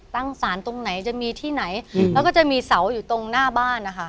ตั้งศาลตรงไหนจะมีที่ไหนแล้วก็จะมีเสาอยู่ตรงหน้าบ้านนะคะ